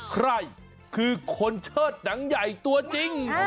ใครคือคนเชิดหนังใหญ่ตัวจริง